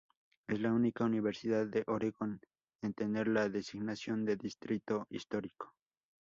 Es la única universidad en Oregón en tener la designación de distrito histórico.